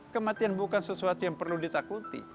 kematian bukan sesuatu yang perlu ditakuti